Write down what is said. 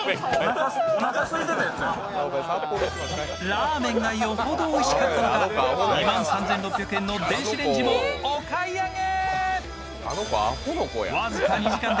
ラーメンがよほどおいしかったのか、２万３６００円の電子レンジもお買い上げ。